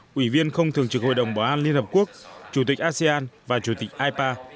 quỷ viên không thường trực hội đồng bảo an liên hợp quốc chủ tịch asean và chủ tịch ipa